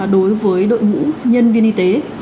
đối với đội ngũ nhân viên y tế